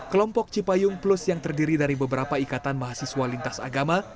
kelompok cipayung plus yang terdiri dari beberapa ikatan mahasiswa lintas agama